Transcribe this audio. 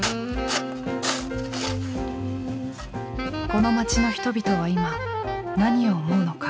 この街の人々は今何を思うのか。